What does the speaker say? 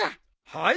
はい！